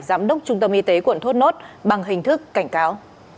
giám đốc trung tâm y tế quận thốt nốt bằng hình thức cảnh cáo